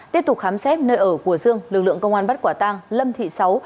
tiếp tục khám xét nơi ở của dương lực lượng công an bắt quả tăng lâm thị sáu